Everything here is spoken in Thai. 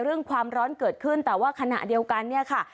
ความร้อนเกิดขึ้นแต่ว่าขณะเดียวกันเนี่ยค่ะ